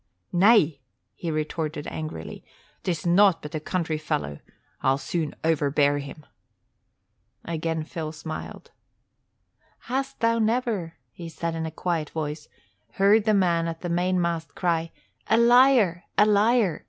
"Nay," he retorted angrily, "'tis nought but a country fellow. I'll soon overbear him." Again Phil smiled. "Hast thou never," he said in a quiet voice, "heard the man at the mainmast cry, 'A liar, a liar!'